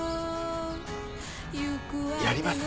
やります。